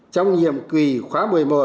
trong nhiệm kỳ khóa một mươi một